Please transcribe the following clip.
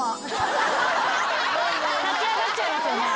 立ち上がっちゃいますよね？